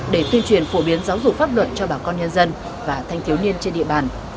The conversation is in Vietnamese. để tuyên truyền phổ biến giáo dục pháp luật cho bà con nhân dân và thanh thiếu niên trên địa bàn